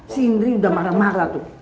si inggris udah marah marah tuh